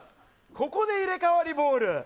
ここで入れ替わりボール。